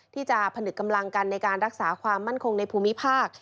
ที่จะผนึกกำลังกันในการรักษาความมั่นคงในภูมิภาค